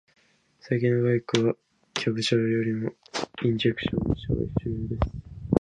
最近のバイクは、キャブ車よりもインジェクション車が主流です。